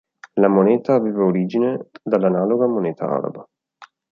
La moneta aveva origine dall'analoga moneta araba.